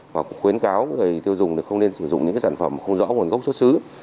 và cũng khuyến cáo người tiêu dùng không nên sử dụng những sản phẩm không rõ nguồn gốc xuất xứ